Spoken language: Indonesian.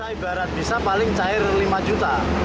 ibarat bisa paling cair lima juta